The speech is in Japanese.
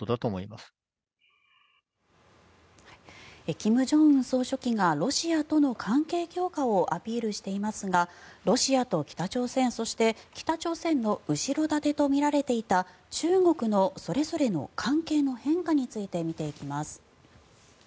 金正恩総書記がロシアとの関係強化をアピールしていますがロシアと北朝鮮、そして北朝鮮の後ろ盾とみられていた中国のそれぞれの関係の変化について見ていきます。